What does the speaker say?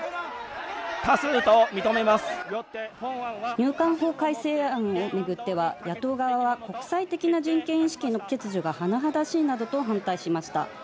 入管法改正案を巡っては野党側は国際的な人権意識の欠如が甚だしいなどと反対しました。